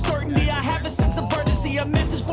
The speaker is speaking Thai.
โอ้โฮ